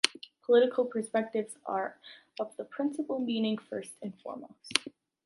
Political perspectives are of the principal meaning first and foremost.